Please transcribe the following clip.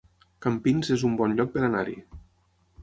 Campins es un bon lloc per anar-hi